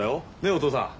お父さん。